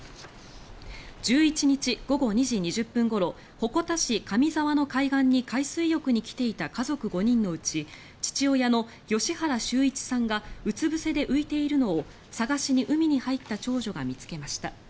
１１日午後２時２０分ごろ鉾田市上沢の海岸に海水浴に来ていた家族５人のうち父親の吉原修一さんがうつぶせで浮いているのを捜しに海に入った長女が見つけました。